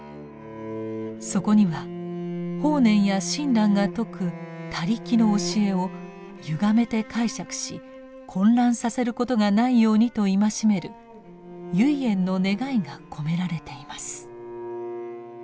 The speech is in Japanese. そこには法然や親鸞が説く「他力」の教えをゆがめて解釈し混乱させることがないようにと戒める唯円の願いが込められています。